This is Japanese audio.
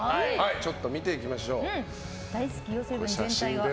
ちょっと見ていきましょう。